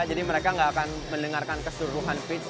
jadi mereka tidak akan mendengarkan keseluruhan pitch